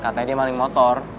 katanya dia maling motor